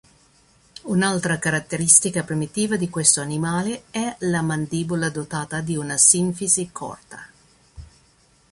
Un'altra caratteristica primitiva di questo animale è la mandibola dotata di una sinfisi corta.